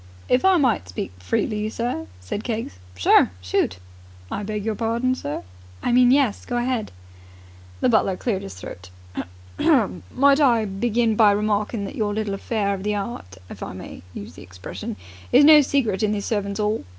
"If I might speak freely, sir ...?" said Keggs. "Sure. Shoot!" "I beg your pardon, sir?" "I mean, yes. Go ahead!" The butler cleared his throat. "Might I begin by remarking that your little affair of the 'eart, if I may use the expression, is no secret in the Servants' 'All?